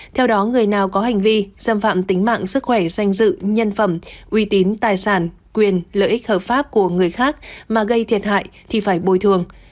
theo đó người nào có hành vi xâm phạm tính mạng sức khỏe danh dự nhân phẩm uy tín tài sản quyền lợi ích hợp pháp của người khác mà gây thiệt hại thì phải bồi thường